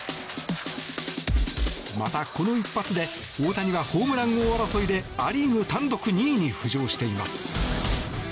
また、この一発で大谷はホームラン王争いでア・リーグ単独２位に浮上しています。